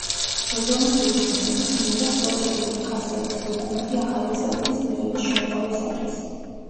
რეზოლუციის მიხედვით მიიღეს პროცედურული ხასიათის დოკუმენტი ახალი წევრების მიღების შემთხვევისათვის.